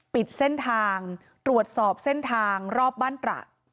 ปิดเส้นทางตรวจสอบเส้นทางรอบบ้านตระ